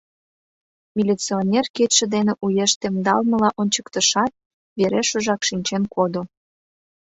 Милиционер кидше дене уэш темдалмыла ончыктышат, верешыжак шинчен кодо.